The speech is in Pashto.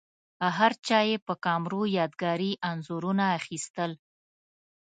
هرچا یې په کمرو یادګاري انځورونه اخیستل.